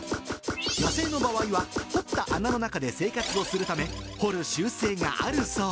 野生の場合は掘った穴の中で生活をするため、掘る習性があるそう。